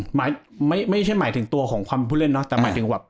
หมายไม่ใช่หมายถึงตัวของความผู้เล่นเนาะแต่หมายถึงแบบ